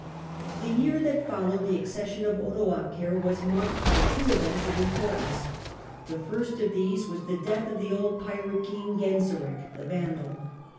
The year that followed the accession of Odoacer was marked by two events of importance. The first of these was the death of the old pirate chief Genseric the Vandal.